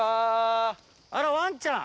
あらワンちゃん！